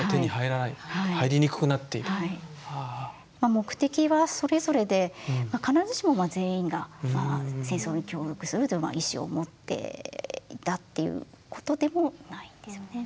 目的はそれぞれで必ずしも全員が戦争に協力するという意思を持っていたっていうことでもないんですよね。